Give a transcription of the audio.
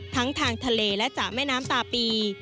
ทั้งทางทะเลและจากแม่น้ำตาปี